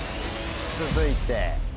続いて。